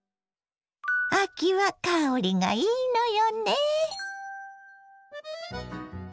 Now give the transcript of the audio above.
秋は香りがいいのよね。